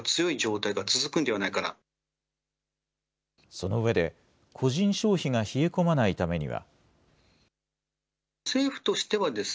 その上で、個人消費が冷え込まないためには。